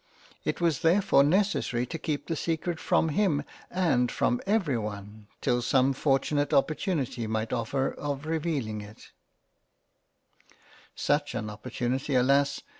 It was therefore necessary to keep the secret from him and from every one, till some fortunate opportunity might offer of revealing it —. 107 £ JANE AUSTEN j| Such an opportunity alas